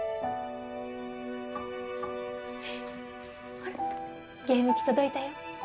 ほらゲーム機届いたよ。